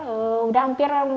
stres yang mungkin ada yang